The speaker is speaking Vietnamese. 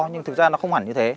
nhưng thực ra nó không hẳn như thế